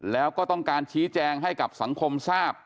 แล้วก็ต้องการชี้แจงให้กับสังคมทราบ